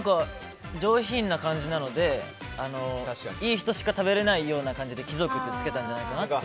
上品な感じなのでいい人しか食べられないような感じで貴族ってつけたんじゃないかなって。